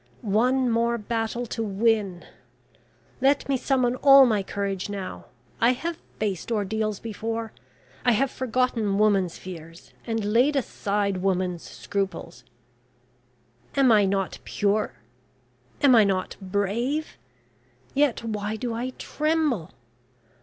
One more battle to win. Let me summon all my courage now. I have faced ordeals before. I have forgotten woman's fears, and laid aside woman's scruples. Am I not pure? Am I not brave? Yet why do I tremble?